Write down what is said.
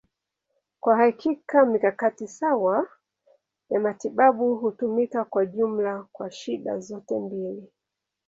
Kwa hakika, mikakati sawa ya matibabu hutumika kwa jumla kwa shida zote mbili.